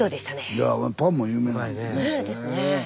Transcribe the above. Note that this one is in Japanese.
いやあパンも有名なんですね。